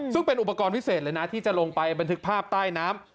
ซึ่งเป็นอุปกรณ์พิเศษเลยนะที่จะลงไปบันทึกภาพใต้น้ำ